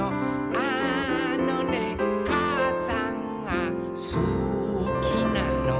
「あのねかあさんがすきなのよ」